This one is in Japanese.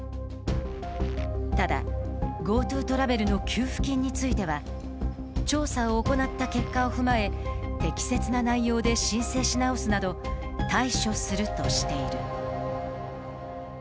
ただ、ＧｏＴｏトラベルの給付金については調査を行った結果を踏まえ、適切な内容で申請し直すなど対処するとしている。